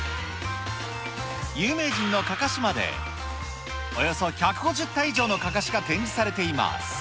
有名人のかかしまで、およそ１５０体以上のかかしが展示されています。